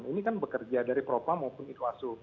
ini kan bekerja dari propa maupun iqlasu